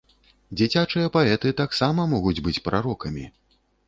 Дзіцячыя паэты таксама могуць быць прарокамі.